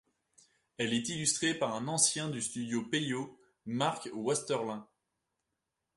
Elle est illustrée par un ancien du studio Peyo, Marc Wasterlain.